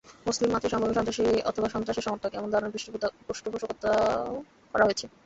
মুসলিম মাত্রই সম্ভাব্য সন্ত্রাসী অথবা সন্ত্রাসের সমর্থক—এমন ধারণার পৃষ্ঠপোষকতাও করা হয়েছে।